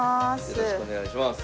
よろしくお願いします。